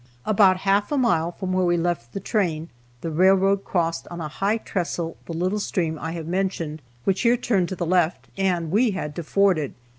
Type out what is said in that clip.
About half a mile from where we left the train the railroad crossed on a high trestle the little stream I have mentioned, which here turned to the left, and we had to ford it.